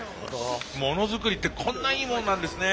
ものづくりってこんないいもんなんですね。